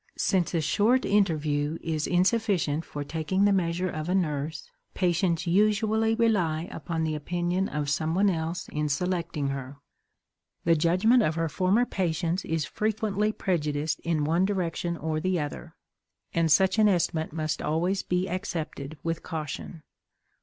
Since a short interview is insufficient for taking the measure of a nurse, patients usually rely upon the opinion of someone else in selecting her. The judgment of her former patients is frequently prejudiced in one direction or the other, and such an estimate must always be accepted with caution.